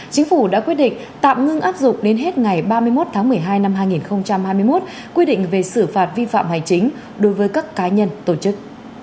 chính phủ đã quyết định tạm ngưng áp dụng đến hết ngày ba mươi một tháng một mươi hai năm hai nghìn hai mươi một quy định về xử phạt vi phạm hành chính đối với các cá nhân tổ chức